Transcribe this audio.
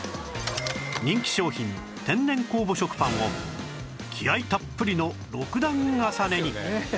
人気商品天然酵母食パンを気合たっぷりの６段重ねに！